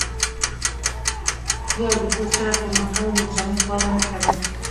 یو د بل سره کومک کول د انسانیت غوره نخښه ده.